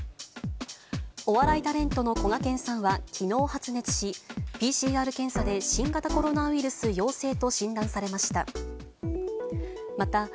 お笑いタレントのこがけんさんは、きのう発熱し、ＰＣＲ検査で新型コロナウイルス陽性と診断されました。